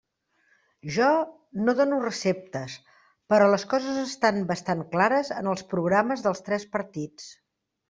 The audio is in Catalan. Jo no dono receptes, però les coses estan bastant clares en els programes dels tres partits.